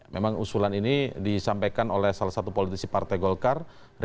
memang usulan ini disampaikan oleh salah satu politisi partai golkar